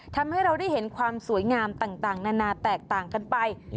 ทำให้เราได้เห็นความสวยงามต่างนานาแตกต่างกันไป